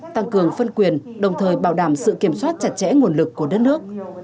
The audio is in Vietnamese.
tăng cường phân quyền đồng thời bảo đảm sự kiểm soát chặt chẽ nguồn lực của đất nước